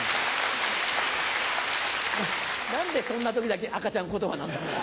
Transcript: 何でそんな時だけ赤ちゃん言葉なんだよ。